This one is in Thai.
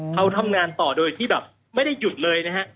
เขาทำงานต่อโดยที่แบบไม่ได้หยุดเลยนะฮะ